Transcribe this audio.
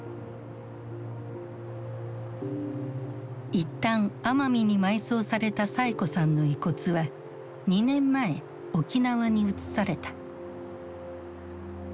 一旦奄美に埋葬されたサエ子さんの遺骨は２年前沖縄に移された。